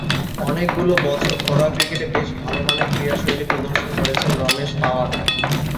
অনেকগুলো বছর ঘরোয়া ক্রিকেটে বেশ ভালোমানের ক্রীড়াশৈলী প্রদর্শন করেছেন রমেশ পাওয়ার।